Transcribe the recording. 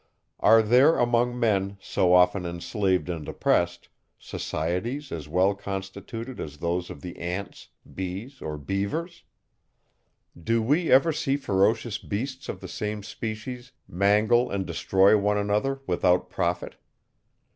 Are there among men, so often enslaved and oppressed, societies as well constituted as those of the ants, bees, or beavers? Do we ever see ferocious beasts of the same species mangle and destroy one another without profit?